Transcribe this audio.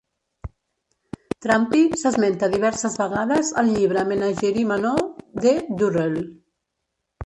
"Trumpy" s'esmenta diverses vegades al llibre "Menagerie Manor" de Durrell.